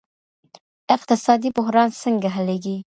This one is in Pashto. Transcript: اقتصادي بحران څنګه حلیږي؟